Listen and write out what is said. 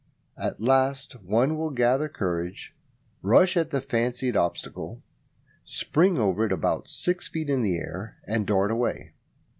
At last one will gather courage, rush at the fancied obstacle, spring over it about six feet in the air, and dart away.